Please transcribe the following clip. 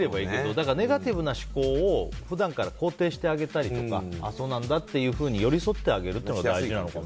だから、ネガティブな思考を普段から肯定してあげたりとかそうなんだというふうに寄り添ってあげるというのが大事なのかも。